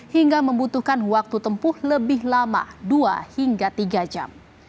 hingga membutuhkan waktu tempuh lebih lama dua hingga tiga jam